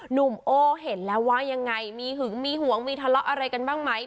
หนุ่มโอ้เห็นแล้วว่ายังไงมีหึงมีห่วงมีทะเลาะอะไรกันบ้างไหม